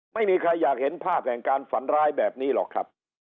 ไม่มีใครอยากเห็นภาพแห่งการฝันร้ายแบบนี้หรอกครับ